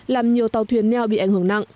làm nhiều tàu thuyền neo bị ảnh hưởng nặng